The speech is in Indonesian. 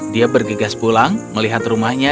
dia bergegas pulang melihat rumahnya